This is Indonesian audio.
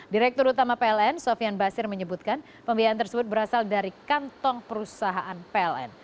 direktur utama pln sofian basir menyebutkan pembiayaan tersebut berasal dari kantong perusahaan pln